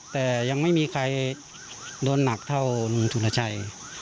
แต่ยังไม่มีใครโดนหนักเท่าธุรชัย